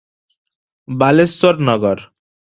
Baleswar Nagar.